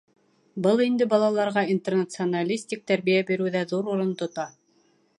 Был инде балаларға интернационалистик тәрбиә биреүҙә ҙур урын тота.